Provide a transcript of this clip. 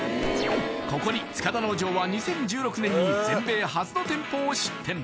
ここに塚田農場は２０１６年に全米初の店舗を出店